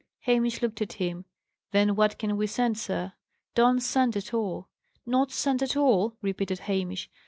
Hamish looked at him. "Then what can we send, sir? "Don't send at all." "Not send at all!" repeated Hamish.